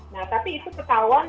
nah tapi itu ketahuan